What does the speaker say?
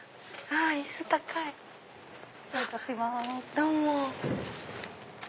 どうも。